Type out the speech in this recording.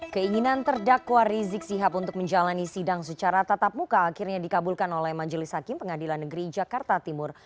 keinginan terdakwa rizik sihab untuk menjalani sidang secara tatap muka akhirnya dikabulkan oleh majelis hakim pengadilan negeri jakarta timur